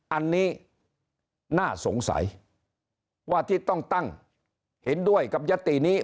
อันนี้น่าสงสัยว่าที่ต้องตั้งเห็นด้วยกับยตินี้